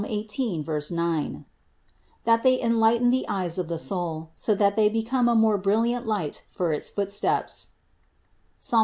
18, 9), that they enlighten the eyes of the soul, so that they become a most brilliant light for its footsteps (Ps.